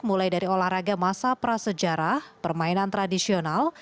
mulai dari olahraga masa prasejarah permainan tradisional